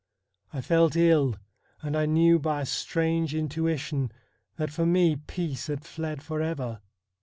I felt ill, and I knew by a strange intuition that for me peace had fled for ever.